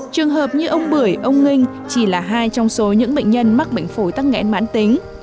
trường hợp như ông bưởi ông nginh chỉ là hai trong số những bệnh nhân mắc bệnh phổi tăng nghẹn mãn tính